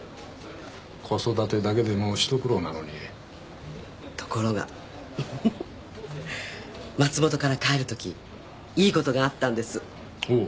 子育てだけでもひと苦労なのにところがフフフ松本から帰る時いいことがあったんですおっ！